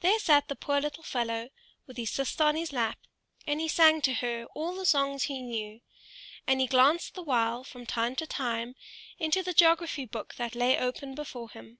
There sat the poor little fellow, with his sister on his lap, and he sang to her all the songs he knew; and he glanced the while from time to time into the geography book that lay open before him.